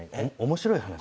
面白い話。